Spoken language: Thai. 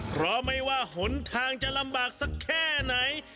เพราะไม่ว่าหนทางจะลำบากสักแค่ไหน